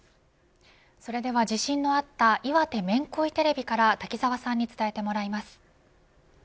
それでは地震のあった岩手めんこいテレビからタキザワさんに伝えてもらいます。